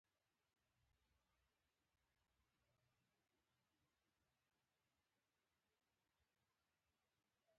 خو د بل درګا ته به لاس نه غځوې.